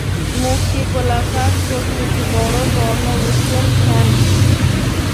মুখটি গোলগাল, চোখ দুটি বড়ো, বর্ণ উজ্জ্বল শ্যাম।